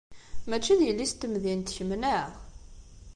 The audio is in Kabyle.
Mačči d yelli-s n temdint kemm, neɣ?